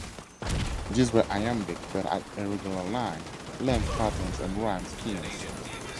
These were iambic, but had irregular line length patterns and rhyme schemes.